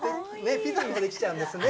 ピザも出来ちゃうんですね。